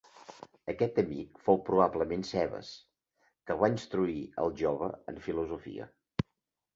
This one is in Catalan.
Aquest amic fou probablement Cebes, que va instruir al jove en filosofia.